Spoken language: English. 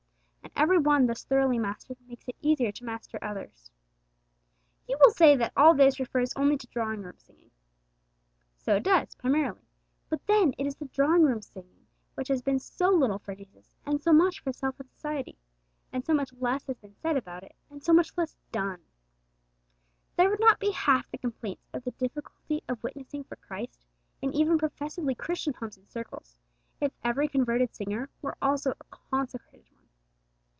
And every one thus thoroughly mastered makes it easier to master others. You will say that all this refers only to drawing room singing. So it does, primarily, but then it is the drawing room singing which has been so little for Jesus and so much for self and society; and so much less has been said about it, and so much less done. There would not be half the complaints of the difficulty of witnessing for Christ in even professedly Christian homes and circles, if every converted singer were also a consecrated one.